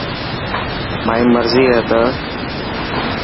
مائي مرضي هي ته.